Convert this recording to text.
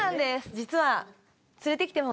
実は。